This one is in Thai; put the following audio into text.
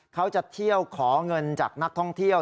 เขาจะเที่ยวขอเงินจากนักท่องเที่ยว